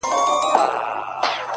ولي مي هره شېبه، هر ساعت په غم نیسې،